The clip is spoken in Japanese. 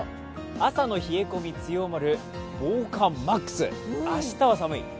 朝の冷え込み強まる防寒マックス、明日は寒い？